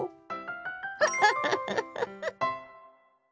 フフフフフ。